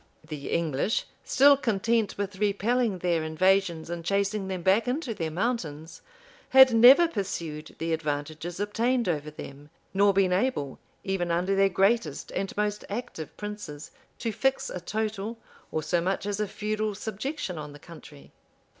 The English, still content with repelling their invasions, and chasing them back into their mountains, had never pursued the advantages obtained over them, nor been able, even under their greatest and most active princes, to fix a total, or so much as a feudal subjection on the country.